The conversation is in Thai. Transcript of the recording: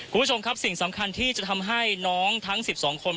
คุณผู้ชมครับสิ่งสำคัญที่จะทำให้น้องทั้ง๑๒คน